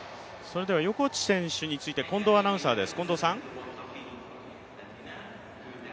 横地選手について近藤アナウンサーです。